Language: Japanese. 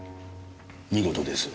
見事です。